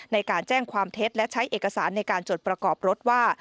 ในการแจ้งความเท็จและใช้เอกสารในการจดประกอบรถว่า